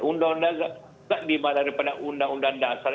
tidak di mana mana undang undang dasar